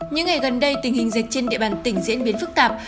những ngày gần đây tình hình dịch trên địa bàn tỉnh diễn biến phức tạp